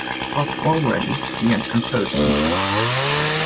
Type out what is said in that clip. But already he had composed himself.